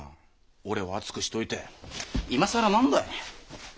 俺を熱くしておいて今更何だい。